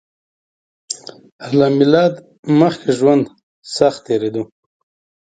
له میلاد مخکې ژوند سخت تېریدو